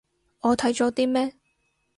我睇咗啲咩